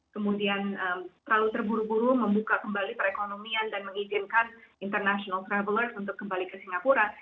kemudian terlalu terburu buru membuka kembali perekonomian dan mengizinkan international travelers untuk kembali ke singapura